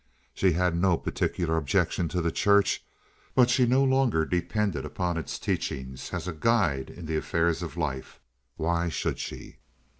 She had no particular objection to the church, but she no longer depended upon its teachings as a guide in the affairs of life. Why should she?